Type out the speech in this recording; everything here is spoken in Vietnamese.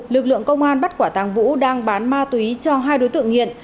lực lượng công an bắt quả tàng vũ đang bán ma túy cho hai đối tượng nghiện